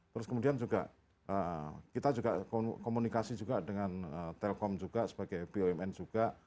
terus kemudian juga kita juga komunikasi juga dengan telkom juga sebagai bumn juga